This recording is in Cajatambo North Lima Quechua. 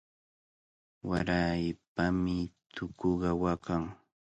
Waraypami tukuqa waqan.